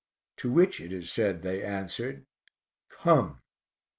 To which it is said they answered, "Come."